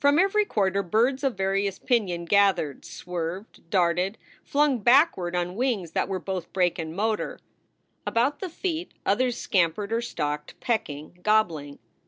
From every quarter birds of various pinion gathered, swerved, darted, flung backward on wings that were both brake and motor. About the feet others scampered or stalked, pecking, gobbling.